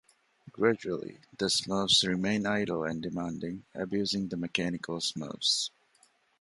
Gradually, the Smurfs remain idle and demanding, abusing the mechanical Smurfs.